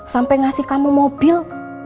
sampai ngasih kamu mobil